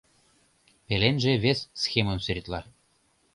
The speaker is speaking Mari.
Пеленже вес схемым сӱретла.